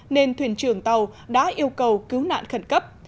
nên thuyền trưởng tàu đã yêu cầu cứu nạn khẩn cấp